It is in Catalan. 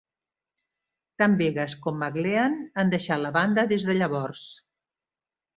Tant Vegas com MacLean han deixat la banda des de llavors.